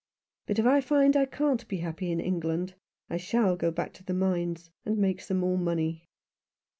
But if I find I can't be happy in England I shall go back to the mines, and make some more money."